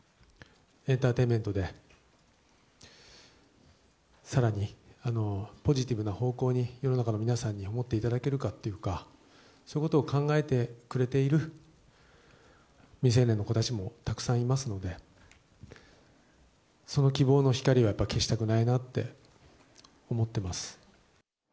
エンターテインメントで、さらにポジティブな方向に、世の中の皆さんに思っていただけるかっていうか、そういうことを考えてくれている未成年の子たちもたくさんいますので、その希望の光はやっぱり消したくないなって思ってます。